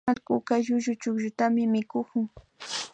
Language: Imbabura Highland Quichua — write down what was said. Allkuka llullu chukllutami mikukun